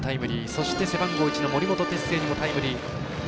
そして背番号１の森本哲星にもタイムリー。